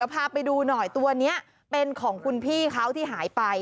พาไปดูหน่อยตัวนี้เป็นของคุณพี่เขาที่หายไป